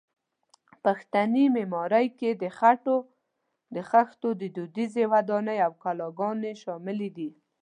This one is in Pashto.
پښتني معمارۍ کې د خټو د خښتو دودیزې ودانۍ او کلاګانې شاملې دي.